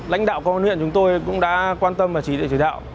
lãnh đạo công an huyện chúng tôi cũng đã quan tâm và chỉ định chỉ đạo